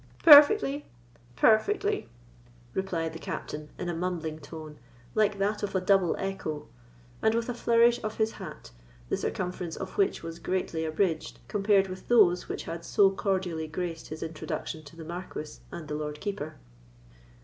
"Perfectly—perfectly," replied the Captain, in a mumbling tone, like that of a double echo, and with a flourish of his hat, the circumference of which was greatly abridged, compared with those which had so cordially graced his introduction to the Marquis and the Lord Keeper.